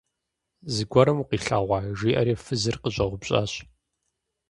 Зыгуэрым укъилъэгъуа? – жиӀэри фызыр къыщӀэупщӀащ.